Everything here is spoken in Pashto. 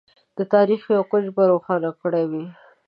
د تاریخ یو کونج به روښانه کړی وي.